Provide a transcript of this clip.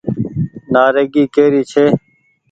نآريگي ڪي ري ڇي۔